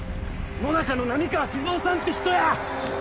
野中の波川志津雄さんって人や！